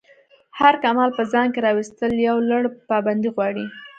هر کمال په ځان کی راویستل یو لَړ پابندی غواړی.